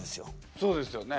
そうですよね。